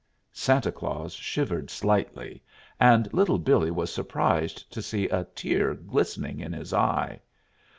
Santa Claus shivered slightly, and Little Billee was surprised to see a tear glistening in his eye.